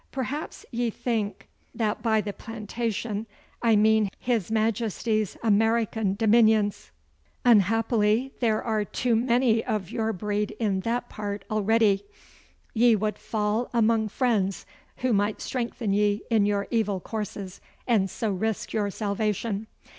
Perhaps ye think that by the Plantations I mean his Majesty's American dominions. Unhappily, there are too many of your breed in that part already. Ye would fall among friends who might strengthen ye in your evil courses, and so risk your salvation.